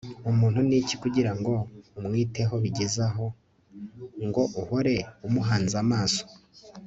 umuntu ni iki kugira ngo umwiteho bigeze aho, ngo uhore umuhanze amaso